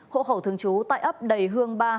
hộ khẩu thường trú tại ấp đầy hương ba